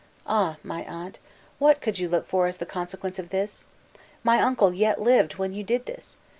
Ah! my aunt, what could you look for as the consequence of this? My uncle yet lived when you did this!